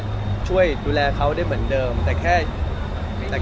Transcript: พี่พอร์ตทานสาวใหม่พี่พอร์ตทานสาวใหม่